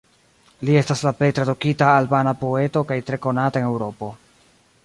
Li estas la plej tradukita albana poeto kaj tre konata en Eŭropo.